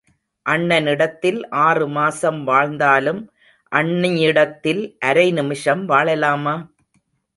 அண்ணனிடத்தில் ஆறு மாசம் வாழ்ந்தாலும் அண்ணியிடத்தில் அரை நிமிஷம் வாழலாமா?